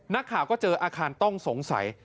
นักข่าวก็เจออาคารต้องสงสัย